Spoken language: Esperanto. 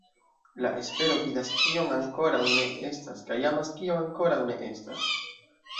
La espero vidas kion ankoraŭ ne estas kaj amas kion ankoraŭ ne estas".